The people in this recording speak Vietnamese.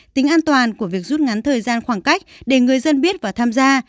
tính an toàn của việc rút ngắn thời gian khoảng cách để người dân biết và tham gia